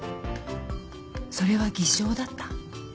それは偽証だった。